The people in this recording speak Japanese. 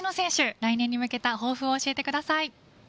来年に向けた抱負を教えてください。